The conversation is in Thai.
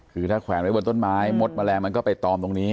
คือถ้าแขวนไว้บนต้นไม้มดแมลงมันก็ไปตอมตรงนี้